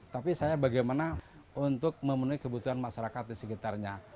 tapi saya bagaimana untuk memenuhi kebutuhan masyarakat di sekitarnya